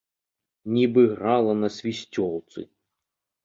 Нібы грала на свісцёлцы.